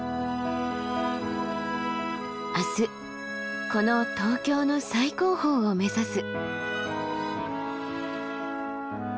明日この東京の最高峰を目指す。